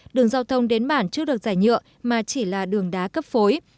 đường giao thông đến bản chưa được giải nhựa mà chỉ là đường đá cấp phối